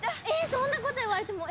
そんなこと言われても。